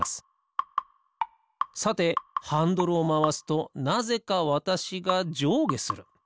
さてハンドルをまわすとなぜかわたしがじょうげする。